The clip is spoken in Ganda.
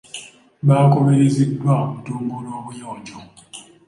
Baakubirizddwa okutumbula obuyonjo.